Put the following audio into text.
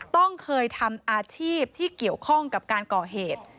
ต้องเคยทำอาชีพที่เกี่ยวข้องกับการก่อเหตุ